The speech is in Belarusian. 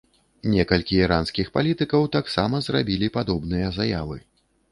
Некалькі іранскіх палітыкаў таксама зрабілі падобныя заявы.